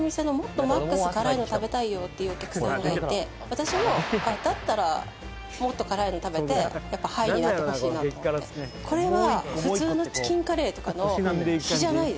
私もだったらもっと辛いの食べてやっぱハイになってほしいなと思ってこれは比じゃない？